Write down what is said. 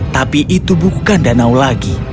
tapi itu bukan danau lagi